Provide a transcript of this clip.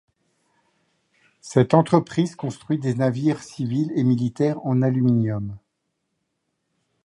Cette entreprise construit des navires civils et militaires en aluminium.